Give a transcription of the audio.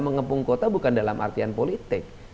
mengepung kota bukan dalam artian politik